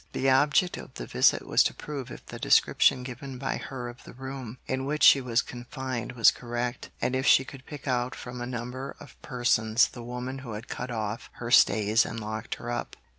The object of the visit was to prove if the description given by her of the room, in which she was confined, was correct, and if she could pick out from a number of persons the woman who had cut off her stays and locked her up.